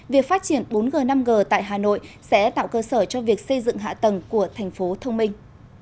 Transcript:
việc phát triển bốn g năm g tại hà nội sẽ tạo cơ sở cho việc xây dựng hạ tầng của thành phố thông minh